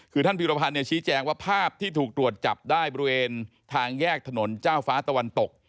คือท่านพิรพันธ์ชี้แจงว่าภาพที่ถูกตรวจจับได้บริเวณทางแยกถนนเจ้าฟ้าตะวันตก